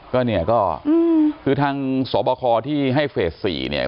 ก็เนี่ยก็คือทางสบคที่ให้เฟส๔เนี่ย